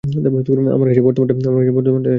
আমার কাছে বর্তমানটাই আসল!